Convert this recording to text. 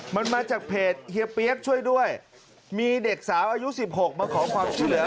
มันมาจากเพจเฮียเปี๊ยกช่วยด้วยมีเด็กสาวอายุ๑๖มาขอความช่วยเหลือ